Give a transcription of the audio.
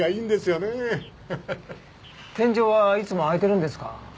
天井はいつも開いてるんですか？